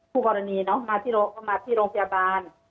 ผู้กรณีเนอะมาที่โรงพยาบาล